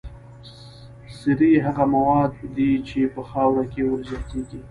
سرې هغه مواد دي چې په خاوره کې ور زیاتیږي.